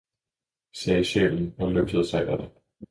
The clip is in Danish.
sagde sjælen og løftede sig atter.